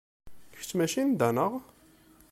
Kečč mačči n da, neɣ?